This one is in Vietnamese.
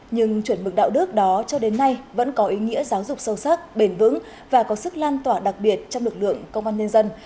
nhưng chuẩn mực đạo đức đó cho đến nay vẫn có ý nghĩa giáo dục sâu sắc bền vững và có sức lan tỏa đặc biệt trong lực lượng công an nhân dân